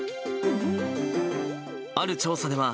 ある調査では、